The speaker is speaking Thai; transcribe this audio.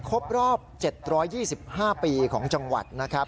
ครบรอบ๗๒๕ปีของจังหวัดนะครับ